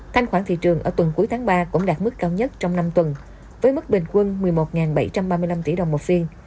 thanh khoản thị trường ở tuần cuối tháng ba cũng đạt mức cao nhất trong năm tuần với mức bình quân một mươi một bảy trăm ba mươi năm tỷ đồng một phiên